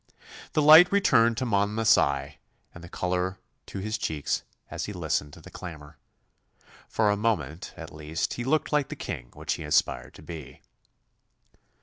The light returned to Monmouth's eye and the colour to his cheek as he listened to the clamour. For a moment at least he looked like the King which he aspired to be.